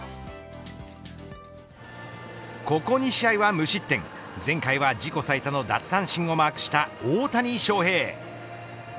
ここ２試合は無失点前回は自己最多の奪三振をマークした大谷翔平。